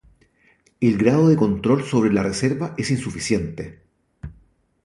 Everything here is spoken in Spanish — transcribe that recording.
El grado de control sobre la reserva es insuficiente.